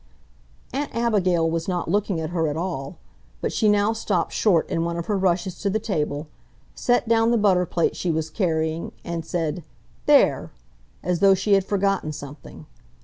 Aunt Abigail was not looking at her at all, but she now stopped short in one of her rushes to the table, set down the butter plate she was carrying, and said "There!" as though she had forgotten something.